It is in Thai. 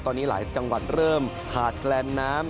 ตอนนี้หลายจังหวัดเริ่มขาดแคลนน้ำ